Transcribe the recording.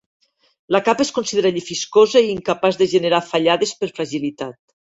La capa es considera llefiscosa i incapaç de generar fallades per fragilitat.